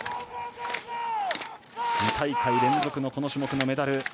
２大会連続のこの種目のメダル。